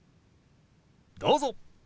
どうぞ。